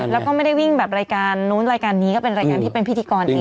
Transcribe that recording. แล้วก็ไม่ได้วิ่งแบบรายการนู้นรายการนี้ก็เป็นรายการที่เป็นพิธีกรเอง